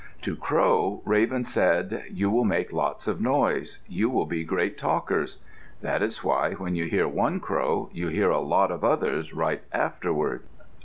To Crow, Raven said, "You will make lots of noise. You will be great talkers." That is why, when you hear one crow, you hear a lot of others right afterward.